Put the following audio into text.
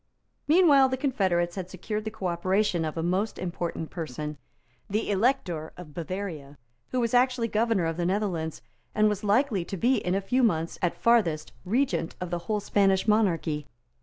Meanwhile the confederates had secured the cooperation of a most important person, the Elector of Bavaria, who was actually Governor of the Netherlands, and was likely to be in a few months, at farthest, Regent of the whole Spanish monarchy.